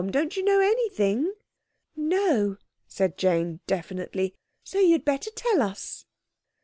Don't you know anything?" "No," said Jane definitely; "so you'd better tell us."